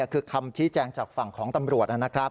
คือคำชี้แจงจากฝั่งของตำรวจนะครับ